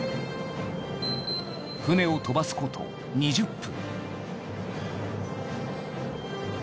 船を飛ばすこと２０分。